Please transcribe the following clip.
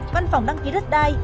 văn phòng đăng ký đất đai